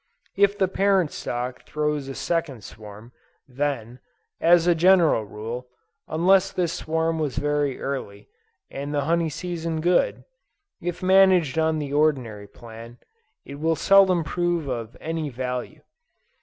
If the parent stock throws a second swarm, then, as a general rule, unless this swarm was very early, and the honey season good, if managed on the ordinary plan, it will seldom prove of any value.